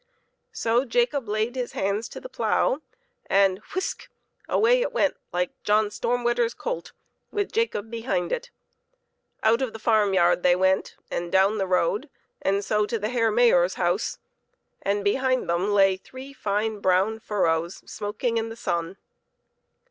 So Jacob laid his hands to the plough and whisk ! away it went like John Storm wetter's colt, with Jacob behind it. Out of the farm yard they went, and down the road, and so to the Herr Mayor's house, and behind them lay three fine brown furrows, smoking in the sun.